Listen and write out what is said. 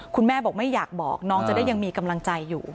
คุณแม่บอกไม่อยากบอกน้องจะได้ยังมีกำลังใจอยู่